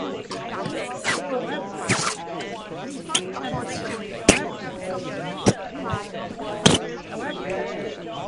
The transportation in Yichun is convenient.